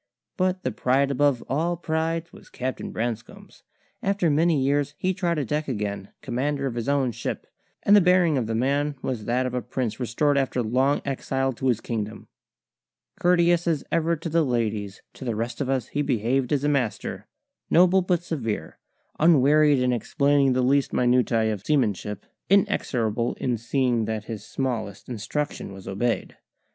But the pride above all prides was Captain Branscome's. After many years he trod a deck again, commander of his own ship; and the bearing of the man was that of a prince restored after long exile to his kingdom. Courteous as ever to the ladies, to the rest of us he behaved as a master, noble but severe, unwearied in explaining the least minutiae of seamanship, inexorable in seeing that his smallest instruction was obeyed.